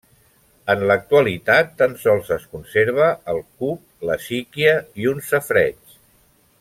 En l'actualitat tan sols es conserva el cup, la síquia i un safareig.